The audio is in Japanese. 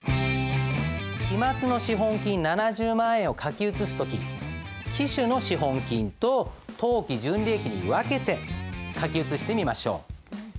期末の資本金７０万円を書き写す時期首の資本金と当期純利益に分けて書き写してみましょう。